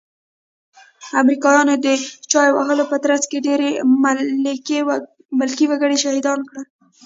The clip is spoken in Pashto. امريکايانو د چاپو وهلو په ترڅ کې ډير ملکي وګړي شهيدان کړل.